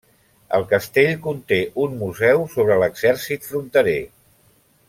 El castell conté un museu sobre l'exèrcit fronterer.